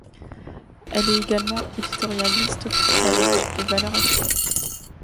Elle est également éditorialiste pour Challenges et Valeurs actuelles.